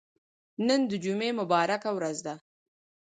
نن د جمعه مبارکه ورځ ده.